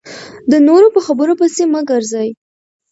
د نورو په خبرو پسې مه ګرځئ .